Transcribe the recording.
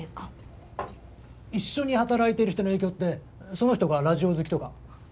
一緒に働いてる人の影響ってその人がラジオ好きとか？